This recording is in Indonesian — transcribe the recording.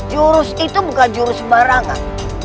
jurus itu bukan jurus sembarangan